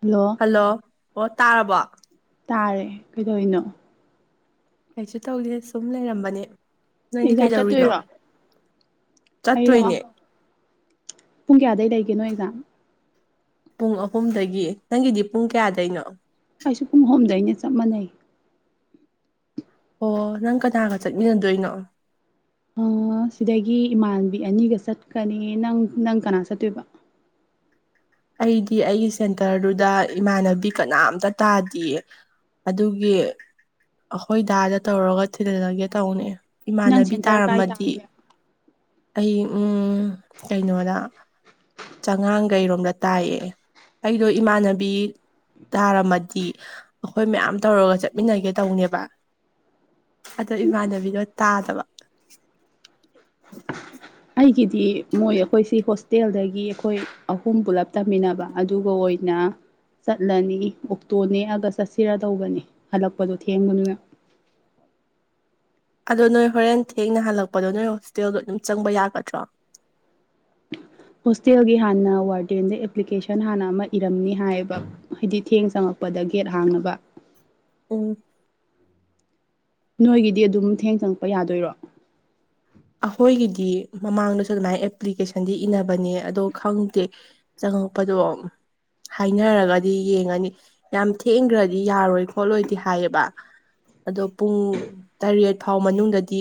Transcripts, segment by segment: hello hello ꯑꯣ ꯇꯥꯔꯕꯣ ꯇꯥꯔꯦ ꯀꯩꯗꯧꯅꯣ ꯀꯩꯁꯨ ꯇꯧꯗꯦ ꯁꯨꯝ ꯂꯩꯔꯝꯕꯅꯦ ꯅꯣꯏꯅꯤ ꯑꯦꯛꯖꯥꯝ ꯀꯩꯗꯧꯔꯤꯅꯣ ꯆꯠꯇꯣꯏꯔꯣ ꯑꯩꯔꯣ ꯆꯠꯇꯣꯏꯅꯦ ꯄꯨꯡ ꯀꯌꯥꯗꯩ ꯂꯩꯒꯦꯅꯣ ꯑꯦꯛꯖꯥꯝ ꯄꯨꯡ ꯑꯍꯨꯝꯗꯒꯤ ꯅꯪꯒꯤꯗꯤ ꯄꯨꯡ ꯀꯌꯥꯗꯩꯅꯣ ꯑꯩꯁꯨ ꯄꯨꯡ ꯑꯍꯨꯝꯗꯩꯅꯦ ꯆꯞ ꯃꯥꯟꯅꯩ ꯑꯣ ꯅꯪ ꯀꯅꯥꯒ ꯆꯠꯃꯤꯟꯅꯗꯣꯏꯅꯣ ꯑꯥ ꯁꯤꯗꯒꯤ ꯏꯃꯥꯟꯕꯤ ꯑꯅꯤꯒ ꯆꯠꯀꯅꯤ ꯅꯪ ꯅꯪ ꯀꯅꯥ ꯆꯠꯇꯣꯏꯕ ꯑꯩꯗꯤ ꯑꯩꯒꯤ ꯁꯦꯟꯇꯔꯗꯨꯗ ꯏꯃꯥꯟꯅꯕꯤ ꯀꯅꯥꯝꯇ ꯇꯥꯗꯌꯦ ꯑꯗꯨꯒꯤ ꯑꯩꯈꯣꯏ ꯗꯥꯗ ꯇꯧꯔꯒ ꯊꯤꯜꯍꯜꯂꯒꯦ ꯇꯧꯅꯦ ꯅꯪ ꯏꯃꯥꯟꯅꯕꯤ ꯁꯦꯟꯇꯔ ꯀꯥꯏ ꯇꯥꯔꯝꯃꯗꯤ ꯇꯥꯒꯦ ꯑꯩ ꯎꯝ ꯀꯩꯅꯣꯗ ꯆꯉꯥꯡꯒꯩꯔꯣꯝꯗ ꯇꯥꯏꯌꯦ ꯑꯩꯗꯣ ꯏꯃꯥꯟꯅꯕꯤ ꯇꯥꯔꯝꯃꯗꯤ ꯑꯩꯈꯣꯏ ꯃꯌꯥꯝ ꯇꯧꯔꯒ ꯆꯠꯃꯤꯟꯅꯒꯦ ꯇꯧꯅꯦꯕ ꯑꯗꯣ ꯏꯃꯥꯟꯅꯕꯤꯗꯣ ꯇꯥꯗꯕ ꯑꯩꯒꯤꯗꯤ ꯃꯣꯏ ꯑꯩꯈꯣꯏꯁꯤ ꯍꯣꯁꯇꯦꯜꯗꯒꯤ ꯑꯩꯈꯣꯏ ꯑꯍꯨꯝ ꯄꯨꯂꯞ ꯇꯝꯃꯤꯟꯅꯕ ꯑꯗꯨꯒ ꯑꯣꯏꯅ ꯆꯠꯂꯅꯤ ꯑꯣꯛꯇꯣ ꯅꯦꯛꯑꯒ ꯆꯠꯁꯤꯔ ꯇꯧꯕꯅꯤ ꯍꯜꯂꯛꯄꯗꯣ ꯊꯦꯡꯕꯅꯤꯅ ꯑꯗꯣ ꯅꯣꯏ ꯍꯣꯔꯦꯟ ꯊꯦꯡꯅ ꯍꯜꯂꯛꯄꯗꯣ ꯅꯣꯏ ꯍꯣꯁꯇꯦꯜꯗꯣ ꯑꯗꯨꯝ ꯆꯪꯕ ꯌꯥꯒꯗ꯭ꯔꯣ ꯍꯣꯁꯇꯦꯜꯒꯤ ꯍꯥꯟꯅ ꯋꯥꯔꯗꯦꯟꯗ ꯑꯦꯄ꯭ꯂꯤꯀꯦꯁꯟ ꯍꯥꯟꯅ ꯑꯃ ꯏꯔꯝꯅꯤ ꯍꯥꯏꯌꯦꯕ ꯍꯥꯏꯗꯤ ꯊꯦꯡ ꯆꯪꯉꯛꯄꯗ ꯒꯦꯠ ꯍꯥꯡꯅꯕ ꯑꯣ ꯅꯣꯏꯒꯤꯗꯤ ꯑꯗꯨꯝ ꯊꯦꯡ ꯆꯪꯉꯛꯄ ꯌꯥꯗꯣꯏꯔꯣ ꯑꯩꯈꯣꯏꯒꯤꯗꯤ ꯃꯃꯥꯡꯗꯁꯨ ꯑꯗꯨꯃꯥꯏꯅ ꯑꯦꯄ꯭ꯂꯤꯀꯦꯁꯟꯗꯤ ꯏꯟꯅꯅꯕꯅꯦ ꯑꯗꯣ ꯈꯪꯗꯦ ꯆꯪꯉꯛꯄꯗꯣ ꯍꯥꯏꯅꯔꯒꯗꯤ ꯌꯦꯡꯉꯅꯤ ꯌꯥꯝ ꯊꯦꯡꯈ꯭ꯔꯗꯤ ꯌꯥꯔꯣꯏ ꯈꯣꯠꯂꯣꯏꯗꯤ ꯍꯥꯏꯌꯦꯕ ꯑꯗꯣ ꯄꯨꯡ ꯇꯔꯦꯠ ꯐꯥꯎ ꯃꯅꯨꯡꯗꯗꯤ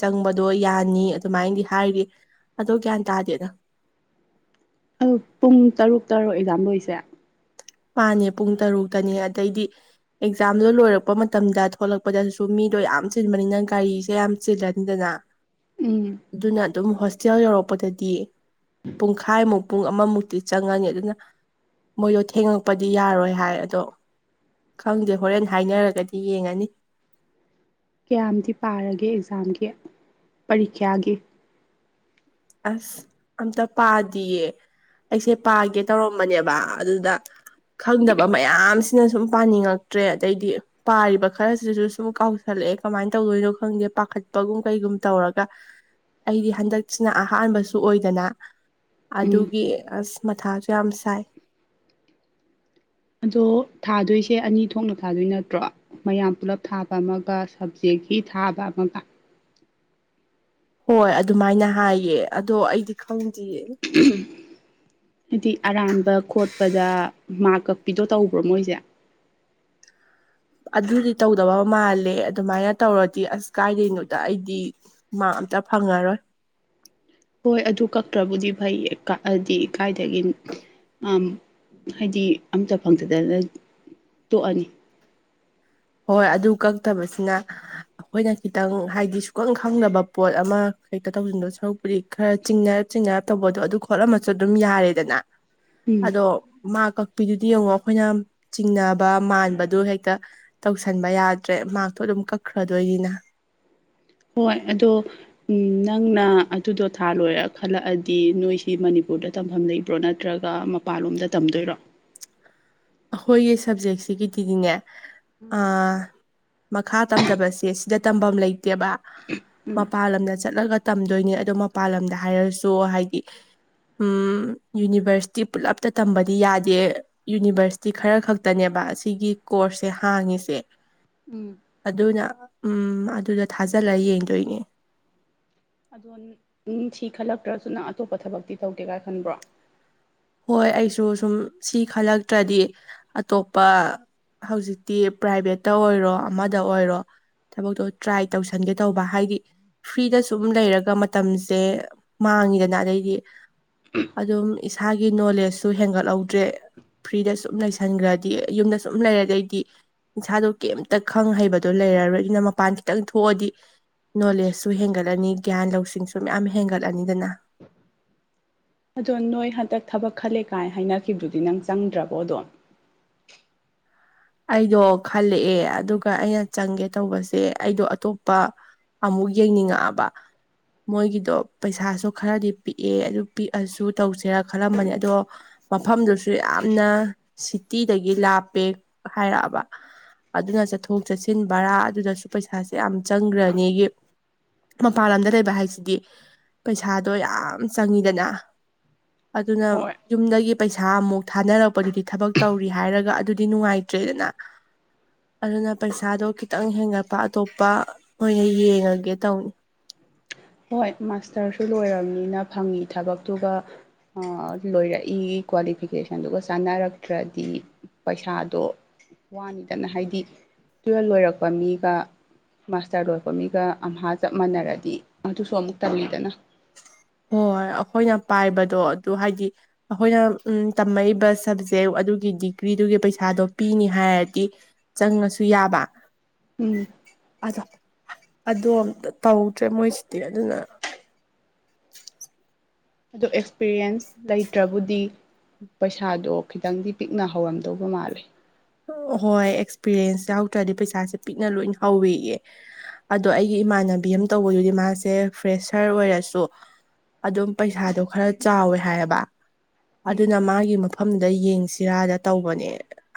ꯆꯪꯕꯗꯣ ꯑꯩ ꯌꯥꯅꯤ ꯑꯗꯨꯃꯥꯏꯅꯗꯤ ꯍꯥꯏꯔꯤ ꯑꯗꯣ ꯒ꯭ꯌꯥꯟ ꯇꯥꯗꯦꯅ ꯑ ꯄꯨꯡ ꯇꯔꯨꯛ ꯇꯔꯣ ꯑꯦꯛꯖꯥꯝ ꯂꯣꯏꯁꯦ ꯃꯥꯅꯦ ꯄꯨꯡ ꯇꯔꯨꯛꯇꯅꯦ ꯑꯗꯩꯗꯤ ꯑꯦꯛꯖꯥꯝꯗꯣ ꯂꯣꯏꯔꯛꯄ ꯃꯇꯝꯗ ꯊꯣꯛꯂꯛꯄꯗꯁꯨ ꯃꯤꯗꯣ ꯌꯥꯝ ꯆꯤꯟꯕꯅꯤꯅ ꯒꯥꯔꯤꯁꯦ ꯌꯥꯝ ꯆꯤꯜꯂꯅꯤꯗꯅ ꯎꯝ ꯑꯗꯨꯅ ꯑꯗꯨꯝ ꯍꯣꯁꯇꯦꯜ ꯌꯧꯔꯛꯄꯗꯗꯤ ꯄꯨꯡꯈꯥꯏꯃꯨꯛ ꯄꯨꯡ ꯑꯃꯃꯨꯛꯇꯤ ꯆꯪꯉꯅꯤ ꯑꯗꯨꯅ ꯃꯣꯗꯣ ꯊꯦꯡꯉꯛ ꯄꯗꯤ ꯌꯥꯔꯣꯏ ꯍꯥꯏ ꯑꯗꯣ ꯈꯪꯗꯦ ꯍꯣꯔꯦꯟ ꯍꯥꯏꯅꯔꯒꯗꯤ ꯌꯦꯡꯉꯅꯤ ꯀꯌꯥꯝꯗꯤ ꯄꯥꯔꯒꯦ ꯑꯦꯛꯖꯥꯝꯒꯤ ꯄꯔꯤꯈ꯭ꯌꯥꯒꯤ ꯑꯁ ꯑꯝꯇ ꯄꯥꯗꯤꯌꯦ ꯑꯩꯁꯦ ꯄꯥꯒꯦ ꯇꯧꯔꯝꯕꯅꯦꯕ ꯑꯗꯨꯗ ꯈꯪꯗꯕ ꯃꯌꯥꯝꯁꯤꯅ ꯁꯨꯝ ꯄꯥꯅꯤꯡꯉꯛꯇ꯭ꯔꯦ ꯑꯗꯩꯗꯤ ꯄꯥꯔꯤꯕ ꯈꯔꯁꯤꯁꯨ ꯁꯨꯝ ꯀꯥꯎꯁꯜꯂꯛꯑꯦ ꯀꯃꯥꯏꯟ ꯇꯧꯗꯣꯏꯅꯣ ꯈꯪꯗꯦ ꯄꯥꯈꯠꯄꯒꯨꯝ ꯀꯩꯒꯨꯝ ꯇꯧꯔꯒ ꯑꯩꯗꯤ ꯍꯟꯗꯛ ꯁꯤꯅ ꯑꯍꯥꯟꯕꯁꯨ ꯑꯣꯏꯗꯅ ꯎꯝ ꯑꯗꯨꯒꯤ ꯑꯁ ꯃꯊꯥꯖꯨ ꯌꯥꯝ ꯁꯥꯏ ꯑꯗꯣ ꯊꯥꯗꯣꯏꯁꯦ ꯑꯅꯤ ꯊꯣꯛꯅ ꯊꯥꯗꯣꯏ ꯅꯠꯇ꯭ꯔꯣ ꯃꯌꯥꯝ ꯄꯨꯂꯞ ꯊꯥꯕ ꯑꯃꯒ ꯁꯕꯖꯦꯛꯀꯤ ꯊꯥꯕ ꯑꯃꯒ ꯍꯣꯏ ꯑꯗꯨꯃꯥꯏꯅ ꯍꯥꯏꯌꯦ ꯑꯗꯣ ꯑꯩꯗꯤ ꯈꯪꯗꯤ [unintelligible] ꯑꯗꯨꯗꯤ ꯑꯔꯥꯟꯕ ꯈꯣꯠꯄꯗ ꯃꯥꯛ ꯀꯛꯄꯤꯗꯣ ꯇꯧꯕ꯭ꯔꯣ ꯃꯣꯏꯖꯦ ꯑꯗꯨꯗꯤ ꯇꯧꯗꯕ ꯃꯥꯜꯂꯦ ꯑꯗꯨꯃꯥꯏꯅ ꯇꯧꯔꯗꯤ ꯑꯁ ꯀꯥꯏꯗꯩꯅꯣꯗ ꯑꯩꯗꯤ ꯃꯥꯛ ꯑꯝꯇ ꯐꯪꯉꯔꯣꯏ ꯍꯣꯏ ꯑꯗꯨ ꯀꯛꯇ꯭ꯔꯕꯨꯗꯤ ꯐꯩꯌꯦ ꯀꯛꯑꯗꯤ ꯀꯥꯏꯗꯒꯤ ꯑꯥꯝ ꯍꯥꯏꯗꯤ ꯑꯝꯇ ꯐꯪꯗꯗꯅ ꯇꯣꯛꯑꯅꯤ ꯍꯣꯏ ꯑꯗꯨ ꯀꯛꯇꯕꯁꯤꯅ ꯑꯈꯣꯏꯅ ꯈꯤꯇꯪ ꯍꯥꯏꯗꯤ ꯁꯨꯈꯪ ꯈꯪꯗꯕ ꯄꯣꯠ ꯑꯃ ꯍꯦꯛꯇ ꯇꯧꯁꯤꯟꯗꯧ ꯁꯔꯨꯛ ꯄꯨꯗꯤ ꯈꯔ ꯆꯤꯡꯅꯔꯞ ꯆꯤꯡꯅꯔꯞ ꯇꯧꯕꯗꯣ ꯑꯗꯨ ꯈꯣꯠꯂꯝꯃꯁꯨ ꯑꯗꯨꯝ ꯌꯥꯔꯦꯗꯅ ꯎꯝ ꯑꯗꯣ ꯃꯥꯛ ꯀꯛꯄꯤꯗꯨꯗꯤ ꯌꯦꯡꯉꯣ ꯑꯩꯈꯣꯏꯅ ꯆꯤꯡꯅꯕ ꯃꯥꯟꯕꯗꯨ ꯍꯦꯛꯇ ꯇꯧꯁꯟꯕ ꯌꯥꯗ꯭ꯔꯦ ꯃꯥꯔꯛꯇꯣ ꯑꯗꯨꯝ ꯀꯛꯈ꯭ꯔꯗꯣꯏꯅꯤꯅ ꯍꯣꯏ ꯑꯗꯣ ꯎꯝ ꯅꯪꯅ ꯑꯗꯨꯗꯣ ꯊꯥ ꯂꯣꯏꯔ ꯈꯜꯂꯛꯑꯗꯤ ꯅꯣꯏꯁꯤ ꯃꯅꯤꯄꯨꯔꯗ ꯇꯝꯐꯝ ꯂꯩꯕ꯭ꯔꯣ ꯅꯠꯇ꯭ꯔꯒ ꯃꯄꯥꯟꯂꯣꯝꯗ ꯇꯝꯗꯣꯏꯔꯣ ꯑꯈꯣꯏꯒꯤ ꯁꯕꯖꯦꯛꯁꯤꯒꯤꯗꯤꯗꯤꯅꯦ ꯑꯥ ꯃꯈꯥ ꯇꯝꯗꯕꯁꯦ ꯁꯤꯗ ꯇꯝꯐꯝ ꯂꯩꯇꯦꯕ ꯎꯝ ꯃꯄꯜ ꯂꯝꯗ ꯆꯠꯂꯒ ꯇꯝꯗꯣꯏꯅꯦ ꯑꯗꯣ ꯃꯄꯥꯟ ꯂꯝꯗ ꯍꯥꯏꯔꯁꯨ ꯍꯥꯏꯗꯤ ꯎꯝ ꯌꯨꯅꯤꯚꯔꯁꯤꯇꯤ ꯄꯨꯜꯂꯞꯇ ꯇꯝꯕꯗꯤ ꯌꯥꯗꯦ ꯌꯨꯅꯤꯚꯔꯁ ꯁꯤ ꯈꯔ ꯈꯛꯇꯅꯦꯕ ꯑꯁꯤꯒꯤ ꯀꯣꯔꯁꯁꯦ ꯍꯥꯡꯉꯤꯁꯦ ꯎꯝ ꯑꯗꯨꯅ ꯎꯝ ꯑꯗꯨꯗ ꯊꯥꯖꯜꯂ ꯌꯦꯡꯗꯣꯏꯅꯦ ꯑꯗꯣ ꯅꯪ ꯁꯤ ꯈꯜꯂꯛꯇ꯭ꯔꯁꯨ ꯅꯪ ꯑꯇꯣꯞꯄ ꯊꯕꯛꯇꯤ ꯇꯧꯒꯦ ꯀꯥꯏ ꯈꯟꯕ꯭ꯔꯣ ꯍꯣꯏ ꯑꯩꯁꯨ ꯁꯨꯝ ꯁꯤ ꯈꯜꯂꯛꯇ꯭ꯔꯗꯤ ꯑꯇꯣꯞꯄ ꯍꯧꯖꯤꯛꯇꯤ ꯄ꯭ꯔꯥꯏꯚꯦꯠꯇ ꯑꯣꯏꯔꯣ ꯑꯃꯗ ꯑꯣꯏꯔꯣ ꯊꯕꯛꯇꯣ ꯇ꯭ꯔꯥꯏ ꯇꯧꯁꯟꯒꯦ ꯇꯧꯕ ꯍꯥꯏꯗꯤ ꯐ꯭ꯔꯤꯗ ꯁꯨꯝ ꯂꯩꯔꯒ ꯃꯇꯝꯖꯦ ꯃꯥꯡꯉꯤꯗꯅ ꯑꯗꯩꯗꯤ ꯑꯗꯨꯝ ꯏꯁꯥꯒꯤ ꯅꯣꯂꯦꯖꯁꯨ ꯍꯦꯟꯒꯠꯍꯧꯗ꯭ꯔꯦ ꯐ꯭ꯔꯤꯗ ꯁꯨꯝ ꯂꯩꯁꯟꯒ꯭ꯔꯗꯤ ꯌꯨꯝꯗ ꯁꯨꯝ ꯂꯩꯔꯗꯤ ꯑꯩꯗꯤ ꯏꯁꯥꯗꯣ ꯀꯩꯝꯇ ꯈꯪ ꯍꯩꯕꯗꯣ ꯂꯩꯔꯔꯣꯏ ꯑꯗꯨꯅ ꯃꯄꯥꯟ ꯈꯤꯇꯪ ꯊꯣꯛꯑꯗꯤ ꯅꯣꯂꯦꯖꯁꯨ ꯍꯦꯟꯒꯠꯂꯅꯤ ꯒ꯭ꯌꯥꯟ ꯂꯧꯁꯤꯡꯁꯨ ꯃꯌꯥꯝ ꯍꯦꯟꯒꯠꯂꯅꯤꯗꯅ ꯑꯗꯣ ꯅꯣꯏ ꯍꯟꯇꯛ ꯊꯕꯛ ꯈꯜꯂꯦ ꯀꯥꯏ ꯍꯥꯏꯅꯈꯤꯕꯗꯨꯗꯤ ꯅꯪ ꯆꯪꯗ꯭ꯔꯕꯣ ꯑꯗꯣ ꯑꯩꯗꯣ ꯈꯜꯂꯛꯑꯦ ꯑꯗꯨꯒ ꯑꯩꯅ ꯆꯪꯒꯦ ꯇꯧꯕꯁꯦ ꯑꯩꯗꯣ ꯑꯇꯣꯞꯄ ꯑꯃꯨꯛ ꯌꯦꯡꯅꯤꯡꯉꯛꯑꯕ ꯃꯣꯏꯒꯤꯗꯣ ꯄꯩꯁꯥꯁꯨ ꯈꯔꯗꯤ ꯄꯤꯛꯑꯦ ꯑꯗꯨ ꯄꯤꯛꯑꯁꯨ ꯇꯧꯁꯦꯔꯥ ꯈꯜꯂꯝꯕꯅꯤ ꯑꯗꯣ ꯃꯐꯝꯗꯨꯁꯨ ꯌꯥꯝꯅ ꯁꯤꯇꯤꯗꯒꯤ ꯂꯥꯞꯄꯦ ꯍꯥꯏꯔꯛꯑꯕ ꯑꯗꯨꯅ ꯆꯠꯊꯣꯛ ꯆꯠꯁꯤꯟ ꯕꯔꯥ ꯑꯗꯨꯗꯁꯨ ꯄꯩꯁꯥꯁꯦ ꯌꯥꯝ ꯆꯪꯒ꯭ꯔꯅꯤꯒꯤ ꯃꯄꯥꯟ ꯂꯝꯗ ꯂꯩꯕ ꯍꯥꯏꯁꯤꯗꯤ ꯄꯩꯁꯥꯗꯣ ꯌꯥꯝ ꯆꯪꯉꯤꯗꯅ ꯑꯗꯨꯅ ꯍꯣꯏ ꯌꯨꯝꯗꯒꯤ ꯄꯩꯁꯥ ꯑꯃꯨꯛ ꯊꯥꯅꯔꯛꯄꯗꯨꯗꯤ ꯊꯕꯛ ꯇꯧꯔꯤ ꯍꯥꯏꯔꯒ ꯑꯗꯨꯗꯤ ꯅꯨꯡꯉꯥꯏ ꯆꯦ ꯖꯤꯅꯥ ꯑꯗꯨꯅ ꯄꯩꯁꯥꯗꯣ ꯈꯤꯇꯪ ꯍꯦꯟꯒꯠꯄ ꯑꯇꯣꯞꯄ ꯑꯣꯏꯅ ꯌꯦꯡꯉꯒꯦ ꯇꯧꯅꯤ ꯍꯣꯏ ꯃꯥꯁꯇ꯭ꯔꯁꯨ ꯂꯣꯏꯔꯕꯅꯤꯅ ꯐꯪꯉꯤ ꯊꯕꯛꯇꯨꯒ ꯑ ꯂꯣꯏꯔꯛꯏ ꯀ꯭ꯋꯥꯂꯤꯐꯤꯀꯦꯁꯟꯗꯨꯒ ꯆꯥꯟꯅꯔꯛꯇ꯭ꯔꯗꯤ ꯄꯩꯁꯥꯗꯣ ꯋꯥꯅꯤꯗꯅ ꯍꯥꯏꯗꯤ ꯇꯨꯋꯦꯜꯕ ꯂꯣꯏꯔꯛꯄ ꯃꯤꯒ ꯃꯥꯁꯇꯔ ꯂꯣꯏꯄ ꯃꯤꯒ ꯑꯝꯍꯥ ꯆꯞ ꯃꯥꯟꯅꯔꯗꯤ ꯑꯗꯨꯁꯨ ꯑꯃꯨꯛ ꯇꯪꯅꯤꯗꯅ ꯍꯣꯏ ꯑꯈꯣꯏꯅ ꯄꯥꯏꯕꯗꯣ ꯑꯗꯨ ꯍꯥꯏꯗꯤ ꯑꯈꯣꯏꯅ ꯎꯝ ꯇꯝꯃꯛꯏꯕ ꯁꯕꯖꯦꯛ ꯑꯗꯨꯒꯤ ꯗꯤꯒ꯭ꯔꯤꯗꯨꯒꯤ ꯄꯩꯁꯥꯗꯣ ꯄꯤꯅꯤ ꯍꯥꯏꯔꯗꯤ ꯆꯪꯉꯁꯨ ꯌꯥꯕ ꯎꯝ ꯑꯗꯣ ꯑꯗꯣ ꯑꯝꯇ ꯇꯧꯗ꯭ꯔꯦ ꯃꯣꯏꯁꯤꯗꯤ ꯑꯗꯨꯅ ꯇꯨ ꯑꯦꯛꯁꯄꯤꯔꯤꯌꯦꯟꯁ ꯂꯩꯇ꯭ꯔꯕꯨꯗꯤ ꯄꯩꯁꯥꯗꯣ ꯈꯤꯇꯪꯗꯤ ꯄꯤꯛꯅ ꯍꯧꯔꯝꯗꯧꯕ ꯃꯥꯜꯂꯦ ꯍꯣꯏ ꯑꯦꯛꯁꯄꯤꯔꯌꯦꯟꯁ ꯍꯧꯗ꯭ꯔꯗꯤ ꯄꯩꯁꯥꯁꯦ ꯄꯤꯛꯅ ꯂꯣꯏꯅ ꯍꯧꯋꯦꯌꯦ ꯑꯗꯣ ꯑꯩꯒꯤ ꯏꯃꯥꯟꯅꯕꯤ ꯑꯃ ꯇꯧꯕꯗꯨꯗꯤ ꯃꯥꯁꯦ ꯐ꯭ꯔꯦꯁꯔ ꯑꯣꯏꯔꯁꯨ ꯑꯗꯨꯝ ꯄꯩꯁꯥꯗꯣ ꯈꯔ ꯆꯥꯎꯋꯦ ꯍꯥꯏꯌꯦꯕ ꯎꯝ ꯑꯗꯨꯅ ꯃꯥꯒꯤ ꯃꯐꯝꯗ ꯌꯦꯡꯁꯤꯔꯥꯗ ꯇꯧꯕꯅꯦ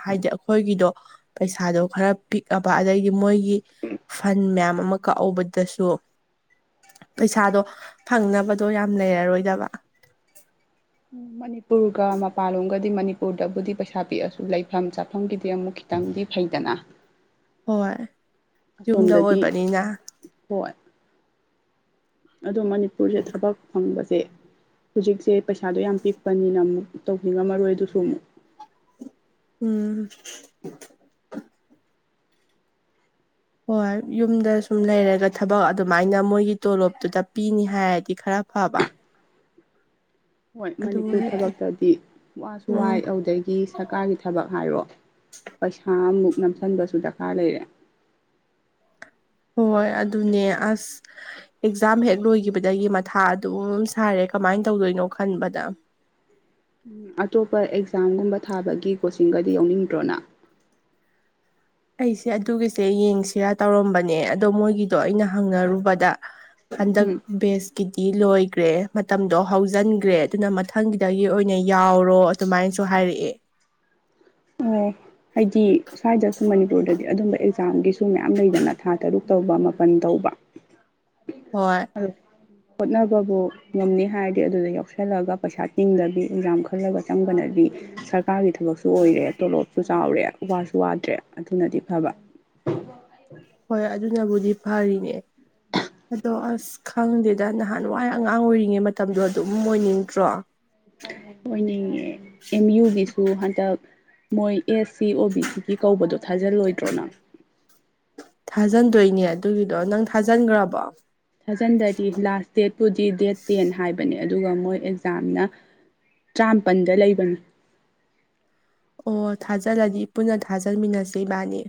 ꯍꯥꯏꯗꯤ ꯈꯣꯏꯒꯤꯗꯣ ꯄꯩꯁꯥꯗꯣ ꯈꯔ ꯄꯤꯛꯑꯕ ꯑꯗꯒꯤ ꯃꯣꯏꯒꯤ ꯐꯟ ꯃꯌꯥꯝ ꯑꯃ ꯀꯛꯍꯧꯕꯗꯁꯨ ꯄꯩꯁꯥꯗꯣ ꯐꯪꯅꯕꯗꯣ ꯌꯥꯝ ꯂꯩꯔꯔꯣꯏꯗꯕ ꯃꯅꯤꯄꯨꯔꯒ ꯃꯄꯥꯟꯂꯣꯝꯒꯗꯤ ꯃꯅꯤꯄꯨꯔꯗꯕꯨꯗꯤ ꯄꯩꯁꯥ ꯄꯤꯛꯑꯁꯨ ꯂꯩꯐꯝ ꯆꯥꯐꯝꯒꯤꯗꯤ ꯑꯃꯨꯛ ꯇꯪꯗꯤ ꯐꯩꯗꯅ ꯍꯣꯏ ꯌꯨꯝꯗ ꯑꯁꯣꯝꯗꯗꯤ ꯑꯣꯏꯕꯅꯤꯅ ꯍꯣꯏ ꯑꯗꯣ ꯃꯅꯤꯄꯨꯔꯖꯦ ꯊꯕꯛ ꯐꯪꯕꯖꯦ ꯍꯧꯖꯤꯛꯁꯦ ꯄꯩꯁꯥꯗꯣ ꯌꯥꯝ ꯄꯤꯛꯄꯅꯤꯅ ꯑꯃꯨꯛ ꯇꯧꯅꯤꯡꯉꯝꯃꯔꯣꯏ ꯑꯗꯨꯁꯨ ꯑꯃꯨꯛ ꯎꯝ ꯍꯣꯏ ꯌꯨꯝꯗ ꯁꯨꯝ ꯂꯩꯔꯒ ꯊꯕꯛ ꯑꯗꯨꯃꯥꯏꯅ ꯃꯣꯏꯒꯤ ꯇꯣꯂꯣꯞꯇꯨꯇ ꯄꯤꯅꯤ ꯍꯥꯏꯔꯗꯤ ꯈꯔ ꯐꯕ ꯍꯣꯏ ꯑꯗꯨ ꯃꯅꯤꯄꯨꯔ ꯑꯣꯏꯔꯗꯤ ꯊꯕꯛꯇꯗꯤ ꯋꯥꯁꯨ ꯎꯝ ꯋꯥꯏ ꯑꯧꯗꯨꯗꯩꯒꯤ ꯁꯔꯀꯥꯔꯒꯤ ꯊꯕꯛ ꯍꯥꯏꯔꯣ ꯄꯩꯁꯥꯃꯨꯛ ꯅꯝꯁꯤꯟꯕꯁꯨ ꯗꯔꯀꯥꯔ ꯂꯩꯔꯦ ꯍꯣꯏ ꯑꯗꯨꯅꯦ ꯑꯁ ꯑꯦꯛꯖꯥꯝ ꯍꯦꯛ ꯂꯣꯏꯈꯤꯕꯗꯒꯤ ꯃꯊꯥ ꯑꯗꯨꯝ ꯁꯥꯔꯦ ꯀꯃꯥꯏꯅ ꯇꯧꯗꯣꯏꯅꯣ ꯈꯟꯕꯗ ꯑꯇꯣꯞꯄ ꯑꯦꯛꯖꯥꯝꯒꯨꯝꯕ ꯊꯥꯕꯒꯤ ꯀꯣꯆꯤꯡꯒꯗꯤ ꯌꯥꯎꯅꯤꯡꯗ꯭ꯔꯣ ꯅꯪ ꯑꯩꯁꯦ ꯑꯗꯨꯒꯤꯁꯦ ꯌꯦꯡꯁꯤꯔꯥ ꯇꯧꯔꯝꯕꯅꯦ ꯑꯗꯣ ꯃꯣꯏꯒꯤꯗꯣ ꯑꯩꯅ ꯍꯪꯅꯔꯨꯕꯗ ꯍꯟꯗꯛ ꯎꯝ ꯞꯦꯁ ꯀꯤꯗꯤ ꯂꯣꯏꯒ꯭ꯔꯦ ꯃꯇꯝꯗꯣ ꯍꯧꯖꯤꯟꯒ꯭ꯔꯦ ꯑꯗꯨꯅ ꯃꯊꯪꯒꯤꯗꯒꯤ ꯑꯣꯏꯅ ꯌꯥꯎꯔꯣ ꯑꯗꯨꯃꯥꯏꯅꯁꯨ ꯍꯥꯏꯔꯛꯑꯦ ꯑꯣ ꯍꯥꯏꯗꯤ ꯁ꯭ꯋꯥꯏꯗ ꯃꯅꯤꯄꯨꯔꯗꯗꯤ ꯑꯗꯨꯝꯕ ꯑꯦꯛꯖꯥꯝꯒꯤꯁꯨ ꯃꯌꯥꯝ ꯂꯩꯗꯅ ꯊꯥ ꯇꯔꯨꯛ ꯇꯧꯕ ꯃꯥꯄꯟ ꯇꯧꯕ ꯍꯣꯏ [unintelligible] ꯍꯣꯠꯅꯕꯕꯨ ꯉꯝꯅꯤ ꯍꯥꯏꯔꯗꯤ ꯑꯗꯨꯗ ꯌꯥꯎꯁꯜꯂꯒ ꯄꯩꯁꯥ ꯇꯤꯡꯗꯕꯤ ꯑꯦꯛꯖꯥꯝ ꯈꯜꯂꯒ ꯆꯪꯕꯅꯗꯤ ꯁ꯭꯭ꯔꯀꯥꯔꯒꯤ ꯊꯕꯛꯁꯨ ꯑꯣꯏꯔꯦ ꯇꯣꯂꯣꯞꯁꯨ ꯆꯥꯎꯔꯦ ꯋꯥꯁꯨ ꯋꯥꯗ꯭ꯔꯦ ꯑꯗꯨꯅꯗꯤ ꯐꯕ ꯍꯣꯏ ꯑꯗꯨꯅꯕꯨꯗꯤ ꯐꯔꯤꯅꯦ ꯑꯗꯣ ꯑꯁ ꯈꯪꯗꯦꯗ ꯅꯍꯥꯟꯋꯥꯏ ꯑꯉꯥꯡ ꯑꯣꯏꯔꯤꯉꯩ ꯃꯇꯝꯗꯣ ꯑꯗꯨꯝ ꯑꯣꯏꯅꯤꯡꯗ꯭ꯔꯣ ꯑꯣꯏꯅꯤꯡꯉꯦ ꯑꯦꯝ ꯌꯨꯒꯤꯁꯨ ꯍꯟꯗꯛ ꯃꯣꯏ ꯑꯦꯁ ꯁꯤ ꯑꯣ ꯕꯤ ꯁꯤꯒꯤ ꯀꯧꯕꯗꯣ ꯊꯥꯖꯤꯜꯂꯣꯏꯗ꯭ꯔꯣ ꯅꯪ ꯊꯥꯖꯟꯗꯣꯏꯅꯦ ꯑꯗꯨꯒꯤꯗꯣ ꯅꯪ ꯊꯥꯖꯟꯒ꯭ꯔꯥꯕꯣ ꯊꯥꯖꯤꯟꯗꯔꯤ ꯂꯥꯁ ꯗꯦꯠꯄꯨꯗꯤ ꯗꯦꯠ ꯇꯦꯟ ꯍꯥꯏꯕꯅꯦ ꯑꯗꯨꯒ ꯃꯣꯏ ꯑꯦꯛꯖꯥꯝꯅ ꯇꯔꯥꯃꯥꯄꯟꯗ ꯂꯩꯕꯅꯤ ꯑꯣ ꯊꯥꯖꯜꯂꯗꯤ ꯄꯨꯟꯅ ꯊꯥꯖꯟꯃꯤꯟꯅꯁꯦ ꯏꯕꯥꯅꯤ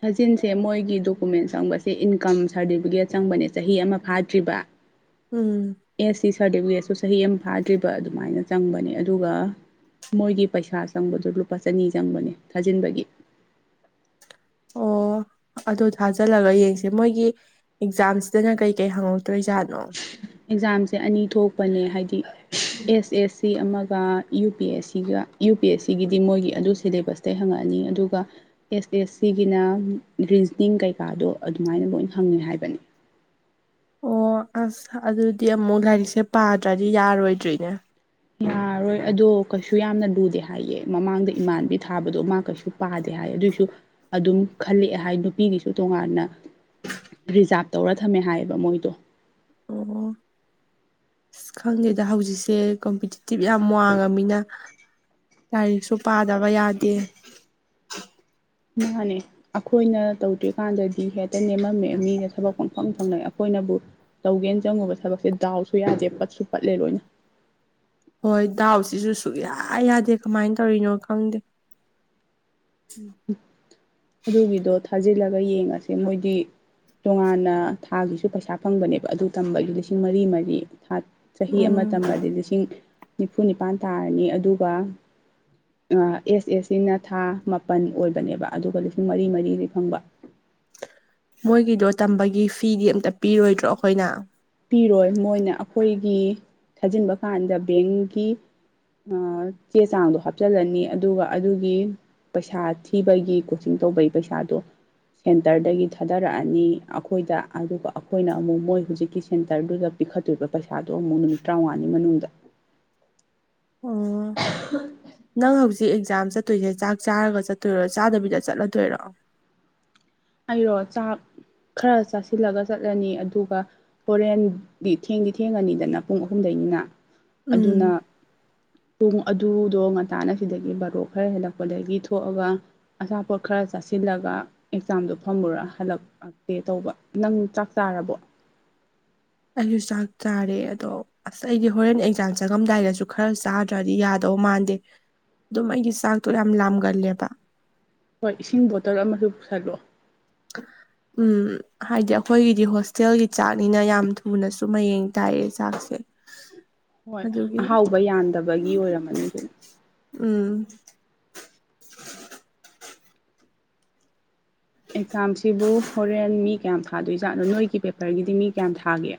ꯊꯛꯖꯤꯟꯁꯦ ꯃꯣꯏꯒꯤ ꯗꯣꯀꯨꯃꯦꯟ ꯆꯪꯕꯁꯦ ꯏꯟꯀꯝ ꯁꯥꯔꯇꯤꯐꯤꯀꯦꯠ ꯆꯪꯕꯅꯦ ꯆꯍꯤ ꯑꯃ ꯐꯥꯗ꯭ꯔꯤꯕ [inaudible] ꯎꯝ ꯑꯦꯁ ꯁꯤ ꯁꯥꯔꯇꯤꯐꯤꯀꯦꯠꯁꯨ ꯆꯍꯤ ꯑꯃ ꯐꯥꯗ꯭ꯔꯤꯕ ꯑꯗꯨꯃꯥꯏꯅ ꯆꯪꯕꯅꯦ ꯑꯗꯨꯒ ꯃꯣꯏꯒꯤ ꯄꯩꯁꯥ ꯆꯪꯕꯗꯣ ꯂꯨꯄꯥ ꯆꯅꯤ ꯆꯪꯕꯅꯦ ꯊꯥꯖꯤꯟꯕꯒꯤ ꯑꯣ ꯑꯗꯨ ꯊꯥꯖꯤꯜꯂꯒ ꯌꯦꯡꯁꯦ ꯃꯣꯏꯒꯤ ꯑꯦꯛꯖꯥꯝꯁꯤꯗꯅ ꯀꯩ ꯀꯩ ꯍꯪꯉꯛꯇꯣꯏ ꯖꯥꯠꯅꯣ ꯑꯦꯛꯖꯥꯝꯁꯦ ꯑꯅꯤ ꯊꯣꯛꯄꯅꯦ ꯍꯥꯏꯗꯤ ꯑꯦꯁ ꯑꯦꯁ ꯁꯤ ꯑꯃꯒ ꯌꯨ ꯄꯤ ꯑꯦꯁ ꯁꯤꯒ ꯌꯨ ꯄꯤ ꯑꯦꯁ ꯁꯤꯒꯤꯗꯤ ꯃꯣꯏꯒꯤ ꯑꯗꯨ ꯁꯤꯂꯦꯕꯁ ꯇꯩ ꯍꯪꯉꯛꯑꯅꯤ ꯑꯗꯨꯒ ꯑꯦꯁ ꯑꯦꯁ ꯁꯤꯒꯤꯅ ꯔꯤꯖꯅꯤꯡ ꯀꯩꯀꯥꯗꯣ ꯑꯗꯨꯃꯥꯏꯅ ꯂꯣꯏꯅ ꯍꯪꯉꯦ ꯍꯥꯏꯕꯅꯤ ꯑꯣ ꯑꯁ ꯑꯗꯨꯗꯤ ꯑꯃꯨꯛ ꯂꯥꯏꯔꯤꯛꯁꯦ ꯄꯥꯗ꯭ꯔꯗꯤ ꯌꯥꯔꯣꯏꯗ꯭ꯔꯤꯅꯦ ꯌꯥꯔꯣꯏ ꯑꯗꯣ ꯀꯩꯁꯨ ꯌꯥꯝꯅ ꯂꯨꯗꯦ ꯍꯥꯏꯌꯦ ꯃꯃꯥꯡꯗ ꯏꯃꯥꯟꯕꯤ ꯊꯥꯕꯗꯣ ꯑ ꯃꯥ ꯀꯩꯁꯨ ꯄꯥꯗꯦ ꯍꯥꯏ ꯑꯗꯨꯑꯣꯏꯁꯨ ꯑꯗꯨꯝ ꯈꯜꯂꯛꯑꯦ ꯍꯥꯏ ꯅꯨꯄꯤꯒꯤꯁꯨ ꯇꯣꯉꯥꯟꯅ ꯔꯤꯖꯥꯕ ꯇꯧꯔ ꯊꯝꯃꯦ ꯍꯥꯏꯌꯦꯕ ꯃꯣꯏꯗꯣ ꯑꯣ [inaudible] ꯑꯁ ꯈꯪꯗꯦꯗ ꯍꯧꯖꯤꯛꯁꯦ ꯀꯝꯄꯤꯇꯤꯇꯤꯚ ꯌꯥꯝ ꯋꯥꯡꯉꯃꯤꯅ ꯂꯥꯏꯔꯤꯛꯁꯨ ꯄꯥꯗꯕ ꯌꯥꯗꯦ ꯃꯥꯟꯅꯦ ꯑꯩꯈꯣꯏꯅ ꯇꯧꯗ꯭ꯔꯤꯀꯥꯟꯗꯗꯤ ꯍꯦꯛꯇ ꯅꯦꯝꯃꯝꯃꯦ ꯃꯤꯅ ꯊꯕꯛ ꯄꯪꯐꯝ ꯐꯪꯅ ꯑꯩꯈꯣꯏꯅꯕꯨ ꯇꯧꯒꯦꯅ ꯆꯪꯉꯨꯕ ꯊꯕꯛꯁꯦ ꯗꯥꯎꯁꯨ ꯌꯥꯗꯦ ꯄꯠꯁꯨ ꯄꯠꯂꯦ ꯂꯣꯏꯅ ꯍꯣꯏ ꯗꯥꯎꯁꯤꯁꯨ ꯁꯨꯛꯌꯥ ꯌꯥꯗꯦ ꯀꯃꯥꯏꯅ ꯇꯧꯔꯤꯅꯣ ꯈꯪꯗꯦ ꯎ ꯑꯗꯨꯒꯤꯗꯣ ꯊꯥꯖꯤꯜꯂꯒ ꯌꯦꯡꯉꯁꯦ ꯃꯣꯏꯗꯤ ꯇꯣꯉꯥꯟꯅ ꯊꯥꯒꯤꯁꯨ ꯄꯩꯁꯥ ꯐꯪꯕꯅꯦꯕ ꯑꯗꯨ ꯇꯝꯕꯒꯤ ꯂꯤꯁꯤꯡ ꯃꯔꯤ ꯃꯔꯤ ꯊꯥ ꯆꯍꯤ ꯑꯃ ꯎꯝ ꯇꯝꯃꯗꯤ ꯂꯤꯁꯤꯡ ꯅꯤꯐꯨ ꯅꯤꯄꯥꯟ ꯇꯥꯔꯅꯤ ꯑꯗꯨꯒ ꯑꯦꯁ ꯑꯦꯁ ꯁꯤꯅ ꯊꯥ ꯃꯥꯄꯟ ꯑꯣꯏꯕꯅꯦꯕ ꯑꯗꯨꯒ ꯂꯤꯁꯤꯡ ꯃꯔꯤ ꯃꯔꯤꯗꯤ ꯐꯪꯕ ꯃꯣꯏꯒꯤꯗꯣ ꯇꯝꯕꯒꯤ ꯐꯤꯗꯤ ꯑꯝꯇ ꯄꯤꯔꯣꯏꯗ꯭ꯔꯣ ꯑꯩꯈꯣꯏꯅ ꯄꯤꯔꯣꯏ ꯃꯣꯏꯅ ꯑꯩꯈꯣꯏꯒꯤ ꯊꯥꯖꯤꯟꯕ ꯀꯥꯟꯗ ꯕꯦꯡꯒꯤ ꯆꯦ ꯆꯥꯡꯗꯣ ꯍꯥꯞꯆꯤꯜꯂꯅꯤ ꯑꯗꯨꯒ ꯑꯗꯨꯒꯤ ꯄꯩꯁꯥ ꯊꯤꯕꯒꯤ ꯀꯣꯆꯤꯡ ꯇꯧꯕꯒꯤ ꯄꯩꯁꯥꯗꯣ ꯁꯦꯟꯇꯔꯗꯒꯤ ꯊꯥꯗꯔꯛꯑꯅꯤ ꯑꯩꯈꯣꯏꯗ ꯑꯗꯨꯒ ꯑꯩꯈꯣꯏꯅ ꯑꯃꯨꯛ ꯃꯣꯏ ꯍꯧꯖꯤꯛꯀꯤ ꯁꯦꯟꯇꯔꯗꯨꯗ ꯄꯤꯈꯠꯇꯣꯏꯕ ꯄꯩꯁꯥꯗꯣ ꯑꯃꯨꯛ ꯅꯨꯃꯤꯠ ꯇꯔꯥꯃꯉꯥꯅꯤ ꯃꯅꯨꯡꯗ ꯑꯣ ꯅꯪ ꯍꯧꯖꯤꯛ ꯁꯤ ꯑꯦꯛꯖꯥꯝ ꯆꯠꯇꯣꯏꯁꯦ ꯆꯥꯛ ꯆꯥꯔꯒ ꯆꯠꯇꯣꯏꯔꯣ ꯆꯥꯗꯕꯤꯗ ꯆꯠꯂꯗꯣꯏꯔꯣ ꯑꯩꯔꯣ ꯆꯥꯛ ꯈꯔ ꯆꯥꯁꯤꯜꯂꯒ ꯆꯠꯂꯅꯤ ꯑꯗꯨꯒ ꯍꯣꯔꯦꯟꯗꯤ ꯊꯦꯡꯗꯤ ꯊꯦꯡꯉꯅꯤꯗꯅ ꯄꯨꯡ ꯑꯍꯨꯝꯗꯩꯅꯤꯅ ꯎꯝ ꯑꯗꯨꯅ ꯄꯨꯡ ꯑꯗꯨꯗꯣ ꯉꯇꯥꯅ ꯁꯤꯗꯒꯤ ꯕꯥꯔꯣꯛ ꯈꯔ ꯍꯦꯜꯂꯛꯄꯗꯒꯤ ꯊꯣꯛꯑꯒ ꯑꯆꯥꯥꯄꯣꯠ ꯈꯔꯥ ꯆꯥꯁꯤꯜꯂꯒꯥ ꯑꯦꯛꯖꯥꯝꯗꯣ ꯐꯝꯃꯨꯔꯥ ꯍꯜꯂꯛꯂꯛꯀ‌ꯦ ꯇꯧꯕ ꯅꯪ ꯆꯥꯛ ꯆꯥꯔꯕꯣ ꯑꯩꯁꯨ ꯆꯥꯛ ꯆꯥꯔꯦ ꯑꯗꯣ ꯑꯁ ꯑꯩꯗꯤ ꯍꯣꯔꯦꯟ ꯑꯦꯛꯖꯥꯝ ꯆꯪꯉꯝꯗꯥꯏꯗꯁꯨ ꯈꯔ ꯆꯥ ꯅꯠꯇ꯭ꯔꯥꯗꯤ ꯌꯥꯗꯧ ꯃꯥꯟꯗꯦ ꯑꯗꯨꯝ ꯑꯩꯗꯤ ꯆꯥꯛꯇꯣ ꯌꯥꯝ ꯂꯥꯝꯒꯜꯂꯦꯕ ꯍꯣꯏ ꯏꯁꯤꯡ ꯕꯣꯇꯜ ꯑꯃꯁꯨ ꯄꯨꯁꯜꯂꫭ ꯎ [unintelligible] ꯎꯝ ꯍꯥꯏꯗꯤ ꯑꯩꯈꯣꯏꯒꯤꯗꯤ ꯍꯣꯁꯇꯦꯜꯒꯤ ꯆꯥꯛꯅꯤꯅ ꯌꯥꯝ ꯊꯨꯅꯁꯨ ꯃꯌꯦꯡ ꯇꯥꯏꯌꯦ ꯆꯥꯛꯁꯦ ꯍꯣꯏ ꯑꯗꯨꯒꯤ ꯑꯍꯥꯎꯕ ꯌꯥꯟꯗꯕꯒꯤ ꯑꯣꯏꯔꯝꯃꯅꯤ ꯑꯗꯨꯗꯤ ꯎꯝ ꯑꯦꯛꯖꯥꯝꯁꯤꯕꯨ ꯍꯣꯔꯦꯟ ꯃꯤ ꯀꯌꯥꯝ ꯊꯥꯗꯣꯏꯖꯥꯠꯅꯣ ꯅꯣꯏꯒꯤ ꯄꯦꯄꯔꯒꯤꯗꯤ ꯃꯤ ꯀꯌꯥꯝ ꯊꯥꯒꯦ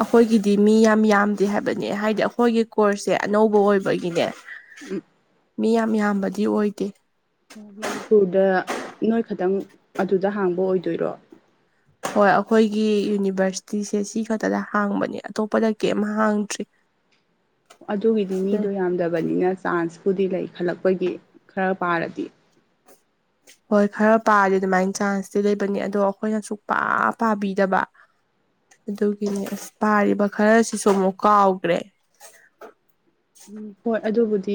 ꯑꯩꯈꯣꯏꯒꯤꯗꯤ ꯃꯤ ꯌꯥꯝ ꯌꯥꯝꯗꯦ ꯍꯥꯏꯕꯅꯦ ꯍꯥꯏꯗꯤ ꯑꯩꯈꯣꯏꯒꯤ ꯀꯣꯔꯁꯁꯦ ꯑꯅꯧꯕ ꯑꯣꯏꯕꯒꯤꯅꯦ ꯎꯝ ꯃꯤ ꯌꯥꯝ ꯌꯥꯝꯕꯗꯤ ꯑꯣꯏꯗꯦ ꯑꯣ ꯃꯅꯤꯄꯨꯔꯗ ꯅꯣꯏ ꯈꯇꯪ ꯑꯗꯨꯗ ꯍꯥꯡꯕ ꯑꯣꯏꯗꯣꯏꯔꯣ ꯍꯣꯏ ꯑꯩꯈꯣꯏꯒꯤ ꯌꯨꯅꯤꯚꯔꯁꯤꯇꯤꯁꯦ ꯁꯤ ꯈꯛꯇꯗ ꯍꯥꯡꯕꯅꯦ ꯑꯇꯣꯞꯄꯗ ꯀꯔꯤꯝ ꯍꯥꯡꯗ꯭ꯔꯤ ꯑꯗꯨꯒꯤꯗꯤ ꯑꯗ ꯃꯤꯗꯣ ꯌꯥꯝꯗꯕꯅꯤꯅ ꯆꯥꯟꯁꯄꯨꯗꯤ ꯂꯩ ꯈꯜꯂꯛꯄꯒꯤ ꯈꯔ ꯄꯥꯔꯗꯤ ꯍꯣꯏ ꯈꯔ ꯄꯥꯔꯗꯤ ꯑꯗꯨꯃꯥꯏꯅ ꯆꯥꯟꯁꯇꯤ ꯂꯩꯕꯅꯤ ꯑꯗꯣ ꯑꯩꯈꯣꯏꯅ ꯁꯨꯛꯄꯥ ꯄꯥꯕꯤꯗꯕ [inaudible] ꯑꯗꯨꯒꯤꯅꯦ ꯑꯁ ꯄꯥꯔꯤꯕ ꯈꯔꯁꯤꯁꯨ ꯑꯃꯨꯛ ꯀꯥꯎꯈ꯭ꯔꯦ ꯎꯝ ꯍꯣꯏ ꯑꯗꯨꯕꯨꯗꯤ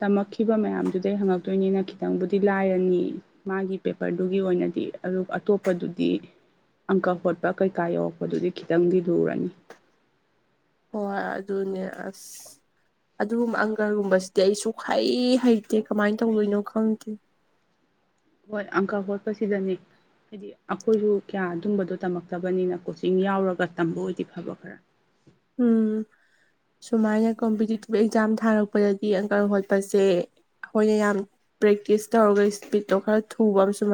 ꯇꯝꯃꯛꯈꯤꯕ ꯃꯌꯥꯝꯗꯨꯗꯩ ꯍꯪꯉꯛꯇꯣꯏꯅꯤꯅ ꯈꯤꯇꯪꯕꯨꯗꯤ ꯂꯥꯏꯔꯅꯤ ꯃꯥꯒꯤ ꯄꯦꯄꯔꯗꯨꯒꯤ ꯑꯣꯏꯅꯗꯤ ꯑꯗꯨ ꯑꯇꯣꯞꯄꯗꯨꯗꯤ ꯑꯪꯀꯥ ꯍꯣꯠꯄ ꯀꯩꯀꯥ ꯌꯧꯔꯛꯄꯗꯨꯗꯤ ꯈꯤꯇꯪꯗꯤ ꯂꯨꯔꯅꯤ ꯍꯣꯏ ꯑꯗꯨꯅꯦ ꯑꯁ ꯑꯗꯨꯒꯨꯝꯕ ꯑꯪꯀꯥꯒꯨꯝꯕꯁꯤꯗꯤ ꯑꯩ ꯁꯨꯡꯍꯩ ꯍꯩꯇꯦ ꯀꯃꯥꯏꯅ ꯇꯧꯗꯣꯏꯅꯣ ꯈꯪꯗꯦ ꯍꯣꯏ ꯑꯪꯀꯥ ꯍꯣꯠꯄꯥ ꯁꯤꯗꯅꯤ ꯍꯥꯏꯗꯤ ꯑꯩꯈꯣꯏꯁꯨ ꯀꯌꯥ ꯑꯗꯨꯝꯕꯗꯣ ꯇꯝꯃꯛꯇꯕꯅꯤꯅ ꯀꯣꯆꯤꯡ ꯌꯥꯎꯔꯒ ꯇꯝꯕ ꯑꯣꯏꯗꯤ ꯐꯕ ꯈꯔꯥ ꯎꯝ ꯁꯨꯃꯥꯏꯅ ꯀꯝꯄꯤꯇꯤꯇꯤꯞ ꯑꯦꯛꯖꯥꯝ ꯊꯥꯔꯛꯄꯗꯗꯤ ꯑꯪꯀꯥ ꯍꯣꯠꯄꯁꯦ ꯑꯩꯈꯣꯏꯅ ꯌꯥꯝ ꯄ꯭ꯔꯦꯛꯇꯤꯁ ꯇꯧꯔꯒ ꯏꯁꯄꯤꯠꯇꯨ ꯈꯔꯥ ꯊꯨꯕ ꯑꯃꯁꯨ